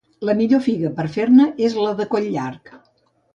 La millor figa per fer-ne és la de coll llarg.